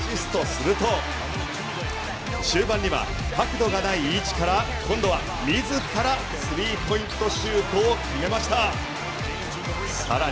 シュートをアシストすると、終盤には角度のない位置から今度は自らスリーポイントシュートを決めました。